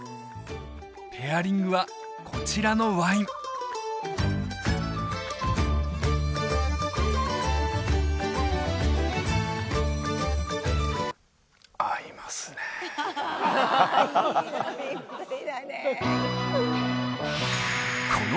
ペアリングはこちらのワインいい飲みっぷりだね